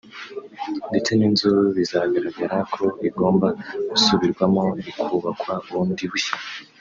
ndetse n’inzu bizagaragara ko igomba gusubirwamo ikubakwa bundi bushya